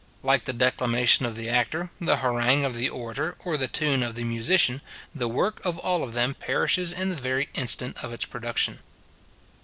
Like the declamation of the actor, the harangue of the orator, or the tune of the musician, the work of all of them perishes in the very instant of its production.